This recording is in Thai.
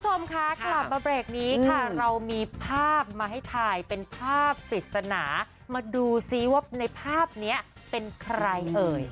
คุณผู้ชมคะกลับมาเบรกนี้ค่ะเรามีภาพมาให้ถ่ายเป็นภาพปริศนามาดูซิว่าในภาพนี้เป็นใครเอ่ย